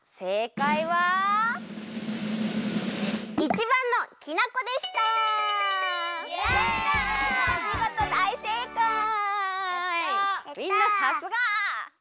みんなさすが！